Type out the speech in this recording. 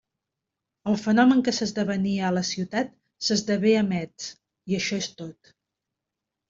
El fenomen que s'esdevenia a la ciutat s'esdevé a Metz, i això és tot.